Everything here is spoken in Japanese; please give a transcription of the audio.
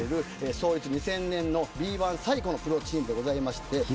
創立２０００年のＢ１最古のプロチームです。